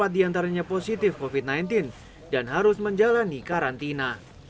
empat diantaranya positif covid sembilan belas dan harus menjalani karantina